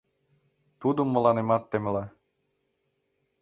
Тудым мыланемат темла.